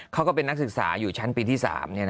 เขาก็เป็นนักศึกษาอยู่ชั้นปีที่๓